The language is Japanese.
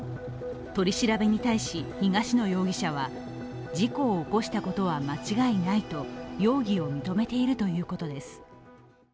取り調べに対し東野容疑者は事故を起こしたことは間違いないと容疑を認めているということです。